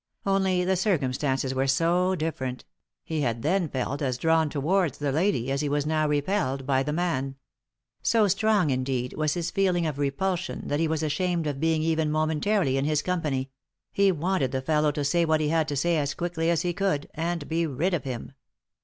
Only the circum stances were so different; he had then felt as drawn towards the lady as he was now repelled by the man. So strong, indeed, was his feeling of repulsion that he was ashamed of being even momentarily in his company ; he wanted the fellow to say what he had to say as quickly as he could, and be rid of him.